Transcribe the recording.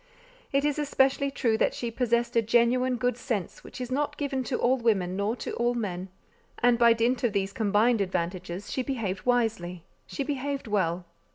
It is especially true that she possessed a genuine good sense which is not given to all women nor to all men; and by dint of these combined advantages she behaved wisely—she behaved well.